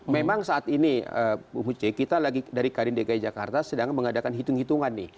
memang saat ini bu muce kita lagi dari kadin dki jakarta sedang mengadakan hitung hitungan nih